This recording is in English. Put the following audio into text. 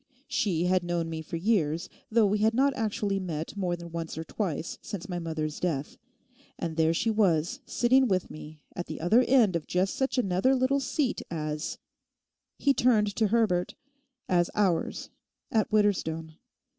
She had known me for years, though we had not actually met more than once or twice since my mother's death. And there she was sitting with me at the other end of just such another little seat as'—he turned—to Herbert 'as ours, at Widderstone.